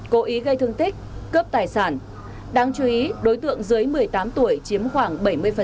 cố ý gây thương tích cướp tài sản đáng chú ý đối tượng dưới một mươi tám tuổi chiếm khoảng bảy mươi